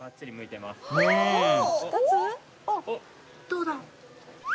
どうだ？